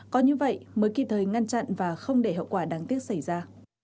có như vậy mới kịp thời ngăn chặn và không để hậu quả đáng tiếc xảy ra